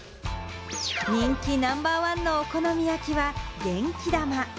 人気ナンバーワンのお好み焼きは、元気玉。